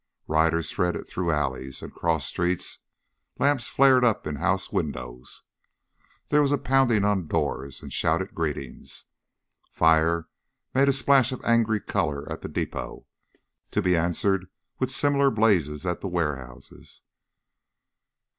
Riders threaded through alleys and cross streets; lamps flared up in house windows. There was a pounding on doors, and shouted greetings. Fire made a splash of angry color at the depot, to be answered with similar blazes at the warehouses.